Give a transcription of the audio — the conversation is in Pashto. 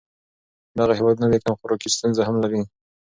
دغه هېوادونه د کم خوراکۍ ستونزه هم لري.